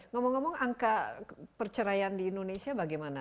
ngomong ngomong angka perceraian di indonesia bagaimana